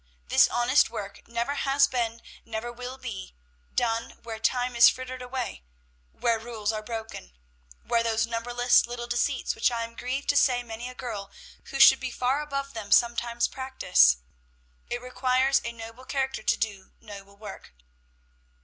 This honest work never has been, never will be, done where time is frittered away, where rules are broken, where those numberless little deceits which I am grieved to say many a girl who should be far above them sometimes practises; it requires a noble character to do noble work.